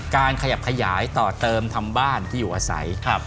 ขยับขยายต่อเติมทำบ้านที่อยู่อาศัย